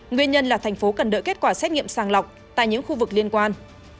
nguyên nhân là thành phố cần đợi kết quả xét nghiệm sàng lọc tại những khu vực liên quan